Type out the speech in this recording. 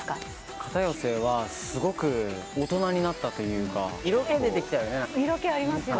片寄はすごく大人になったと色気出てきたよね。